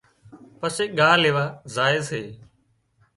پسي ڳاهَ ليوا زائي سي۔